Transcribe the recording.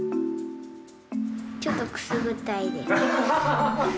ちょっとくすぐったいです。